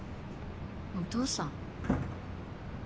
お父さん？